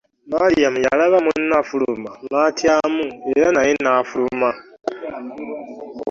Maliyamu yalaba munne afuluma n'atyamu era naye n'afuluma.